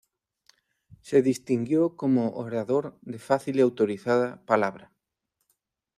Se distinguió como orador de fácil y autorizada palabra.